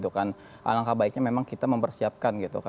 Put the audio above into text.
alangkah baiknya memang kita mempersiapkan